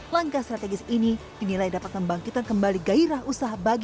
langkah strategis ini dinilai dapat membangkitkan kembali gairah usaha bagi